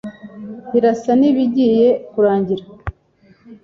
Birasa nibigiye kurangira